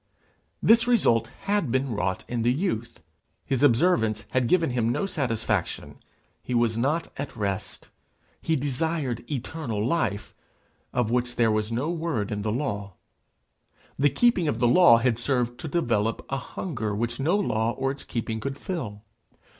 This result had been wrought in the youth. His observance had given him no satisfaction; he was not at rest; but he desired eternal life of which there was no word in the law: the keeping of the law had served to develop a hunger which no law or its keeping could fill.